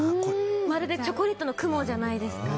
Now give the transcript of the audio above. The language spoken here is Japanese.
まるでチョコレートの雲じゃないですか？